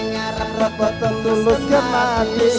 murah dan putih hanya habis